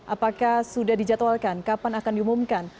apakah sudah dijadwalkan kapan akan diumumkan